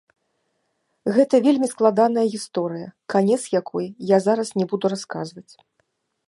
Гэта вельмі складаная гісторыя, канец якой я зараз не буду расказваць.